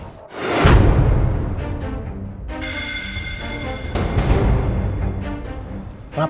apa yang kamu disini